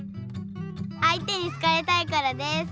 あいてに好かれたいからです。